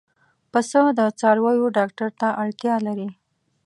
پسه د څارویو ډاکټر ته اړتیا لري.